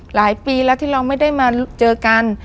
หลายปีแล้วที่เราไม่ได้มาเจอกัน